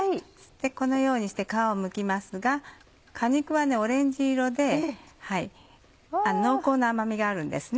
このようにして皮をむきますが果肉はオレンジ色で濃厚な甘みがあるんです。